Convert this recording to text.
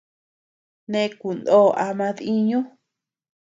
Nee kunoo ama diiñu.